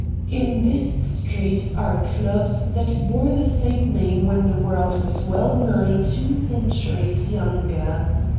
In this street are clubs 96 RED DIAMONDS that bore the same name when the world was well nigh two centuries younger.